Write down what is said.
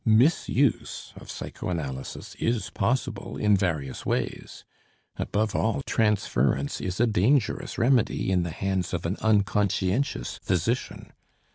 Misuse of psychoanalysis is possible in various ways; above all, transference is a dangerous remedy in the hands of an unconscientious physician.